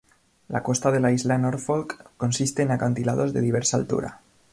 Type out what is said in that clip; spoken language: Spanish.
La costa de la Isla Norfolk consiste en acantilados de diversa altura.